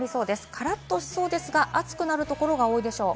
カラッとしそうですが暑くなるところが多いでしょう。